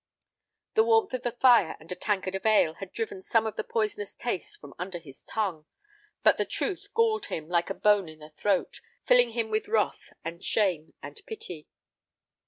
The warmth of the fire and a tankard of ale had driven some of the poisonous taste from under his tongue, but the truth galled him like a bone in the throat, filling him with wrath and shame and pity.